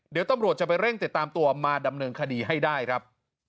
เดี๋ยวตำรวจจะไปเร่งติดตามตัวมาดำเนินคดีให้ได้ครับ